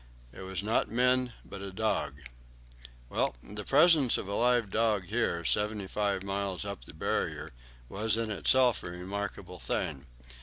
It was not men, but a dog. Well, the presence of a live dog here, seventy five miles up the Barrier, was in itself a remarkable thing.